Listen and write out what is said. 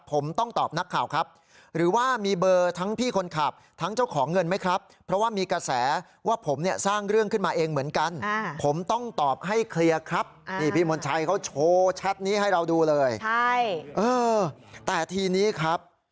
ผมต้องตอบนักข่าวครับหรือว่ามีเบอร์ทั้งพี่คนขับทั้งเจ้าของเงินไหมครับ